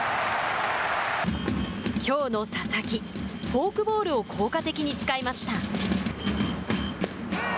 きょうの佐々木フォークボールを効果的に使いました。